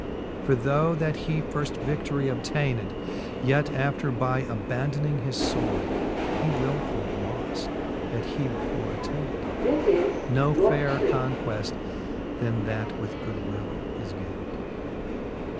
For though that he firft vi6i:orie obtayned, Yet after by abandoning his fword, He wiifull loft, that he before attayned. Ko fayrer conqueft then that with goodwill is gayned.